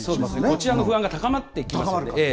こちらの不安が高まってきますよね。